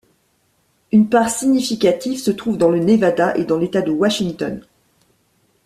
Une part significative se trouve dans le Nevada et dans l'État de Washington.